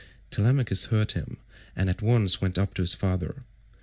Telemachus heard him, and at once went up to his father.